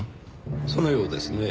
そのようですねぇ。